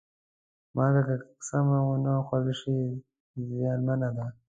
مالګه که سمه ونه خوړل شي، زیانمنه ده.